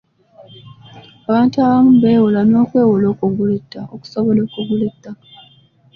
Abantu abamu beewola n'okwewola okusobola okugula ettaka.